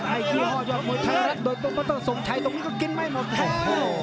ให้ที่ห้อยอดมวยไทยรัฐโดยต้องมาต้องส่งไทยตรงนี้ก็กินไม่หมดแท้